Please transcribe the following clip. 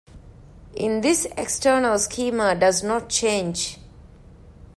In this external schema does not change.